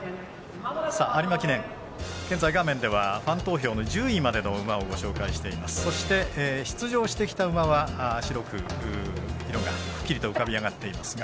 有馬記念、現在、画面ではファン投票１０位までの馬をご紹介していますが出場してきた馬は色がしっかりと浮かび上がっていますが。